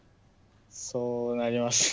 そうなりますね。